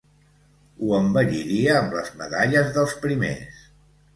Ho embelliria amb les medalles dels primers.